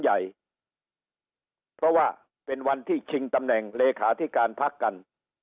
เพราะว่าเป็นวันที่ชิงตำแหน่งเลขาธิการพักกัน